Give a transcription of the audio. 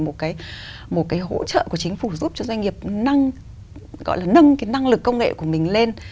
một cái hỗ trợ của chính phủ giúp cho doanh nghiệp năng gọi là nâng cái năng lực công nghệ của mình lên